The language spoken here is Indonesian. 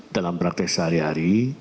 dalam praktek sehari hari